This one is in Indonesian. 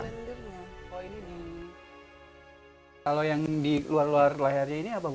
kalau yang di luar luar lehernya ini apa